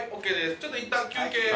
ちょっといったん休憩。